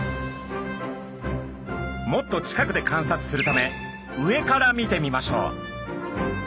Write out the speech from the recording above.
もっと近くで観察するため上から見てみましょう。